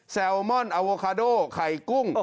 แซลมอนอโวคาโดไข่กุ้ง